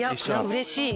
うれしい！